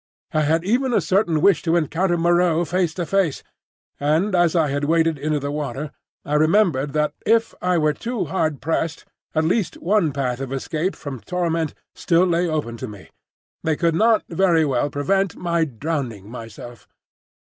I had even a certain wish to encounter Moreau face to face; and as I had waded into the water, I remembered that if I were too hard pressed at least one path of escape from torment still lay open to me,—they could not very well prevent my drowning myself.